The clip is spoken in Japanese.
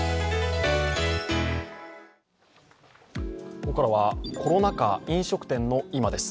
ここからはコロナ禍飲食店の今です。